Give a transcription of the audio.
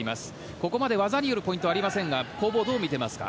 ここまで技によるポイントはありませんが攻防、どう見ていますか？